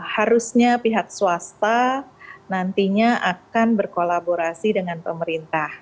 harusnya pihak swasta nantinya akan berkolaborasi dengan pemerintah